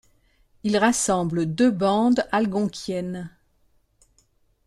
Il rassemble deux bandes algonquiennes.